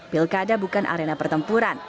pilkada bukan arena pertempuran